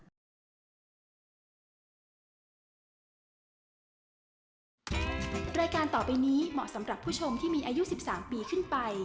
รายการต่อไปนี้เหมาะสำหรับผู้ชมที่มีอายุ๑๓ปีขึ้นไป